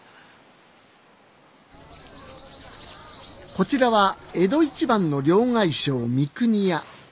こちらは江戸一番の両替商三国屋。